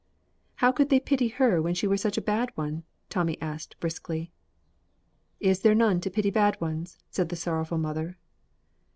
"How could they pity her when she were such a bad one?" Tommy answered briskly. "Is there none to pity bad ones?" said his sorrowful mother.